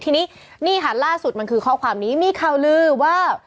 ทีนี้นี่ค่ะล่าสุดมันคือข้อความนี้มีข่าวลือว่า